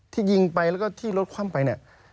ที่ยิงไปแล้วก็ที่รถคว่ำไปเนี่ย